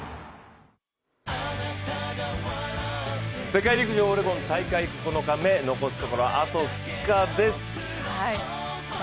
世界陸上オレゴン大会９日目残すところ、あと２日です。